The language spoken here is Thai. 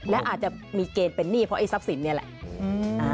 และอาจจะมีเกณฑ์เป็นหนี้เพราะไอ้ทรัพย์สินนี่แหละ